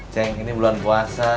ceng ini bulan puasa